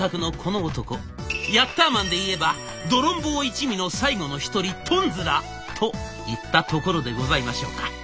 ヤッターマンでいえばドロンボー一味の最後の一人トンズラーといったところでございましょうか。